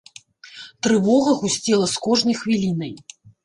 Трывога гусцела з кожнай хвілінай.